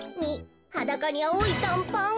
２はだかにあおいたんパン。